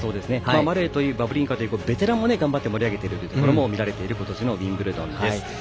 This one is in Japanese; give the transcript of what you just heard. マレーもバブリンカもベテランも頑張って盛り上げているところが見られている今年のウィンブルドンです。